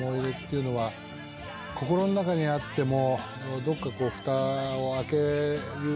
心の中にあっても。